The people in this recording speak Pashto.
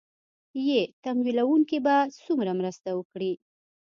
ې تمويلوونکي به څومره مرسته وکړي